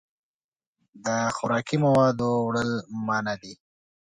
د خوراکي موادو وړل منع دي.